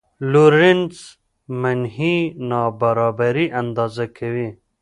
لورینز منحني نابرابري اندازه کوي.